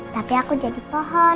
tapi aku jadi pohon